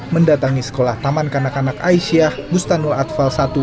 mendatangi sekolah taman kanak kanak aisyah bustanul atfal i